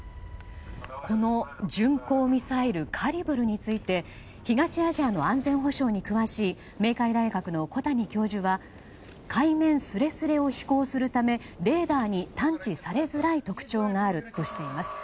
この巡航ミサイルカリブルについて東アジアの安全保障に詳しい明海大学の小谷教授は海面すれすれを飛行するためレーダーに探知されずらい特徴があるとしています。